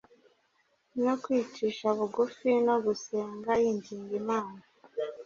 no kwicisha bugufi no gusenga, yinginga Imana